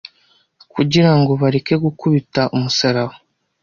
kugira ngo bareke gukubita Umusaraba